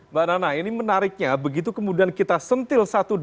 mbak nana ini menariknya begitu kemudian kita sentil satu dua